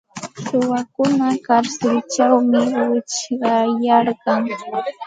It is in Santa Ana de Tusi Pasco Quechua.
Suwakuna karsilćhawmi wichqaryarkan.